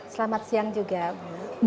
selamat siang juga bu